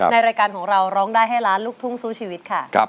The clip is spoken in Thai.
รายการของเราร้องได้ให้ล้านลูกทุ่งสู้ชีวิตค่ะ